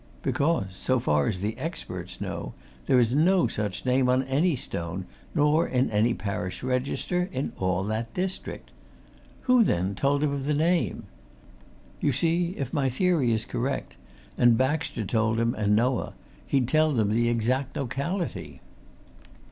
Because, so far as the experts know, there is no such name on any stone, nor in any parish register, in all that district. Who, then, told him of the name? You see, if my theory is correct, and Baxter told him and Noah, he'd tell them the exact locality."